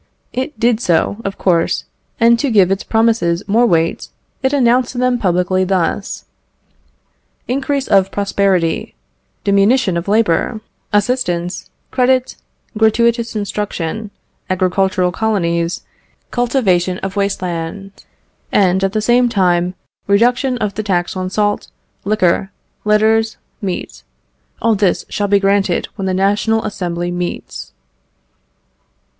It did so, of course; and to give its promises more weight, it announced them publicly thus: "Increase of prosperity, diminution of labour, assistance, credit, gratuitous instruction, agricultural colonies, cultivation of waste land, and, at the same time, reduction of the tax on salt, liquor, letters, meat; all this shall be granted when the National Assembly meets."